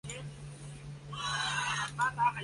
区政府驻地为农通。